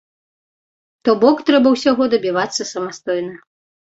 То бок трэба ўсяго дабівацца самастойна.